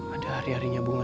ada hari harinya bunga